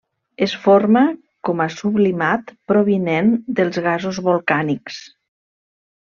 Es forma com a sublimat provinent dels gasos volcànics.